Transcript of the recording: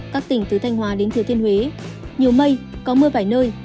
các tỉnh từ thanh hòa đến thừa thiên huế nhiều mây có mưa vài nơi